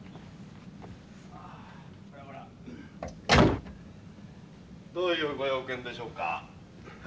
・どういうご用件でしょうか？